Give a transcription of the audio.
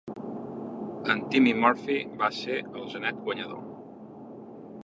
En Timmy Murphy va ser el genet guanyador.